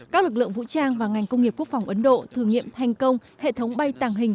các lực lượng vũ trang và ngành công nghiệp quốc phòng ấn độ thử nghiệm thành công hệ thống bay tàng hình